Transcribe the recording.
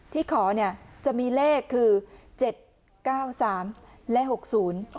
ที่ขอเนี่ยจะมีเลขคือเจ็ดเก้าสามและหกศูนย์